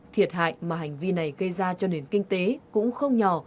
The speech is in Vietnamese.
thiệt hại mà hành vi này gây ra cho nền kinh tế cũng không nhỏ